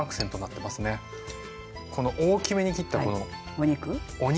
この大きめに切ったこのお肉。